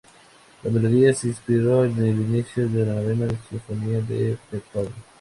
La melodía se inspiró en el inicio de la novena sinfonía de Beethoven.